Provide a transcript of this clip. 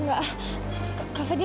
enggak kak fadil